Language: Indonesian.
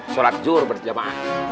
sholat zuhur berjamaah